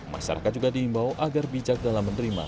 masyarakat juga diimbau agar bijak dalam menerima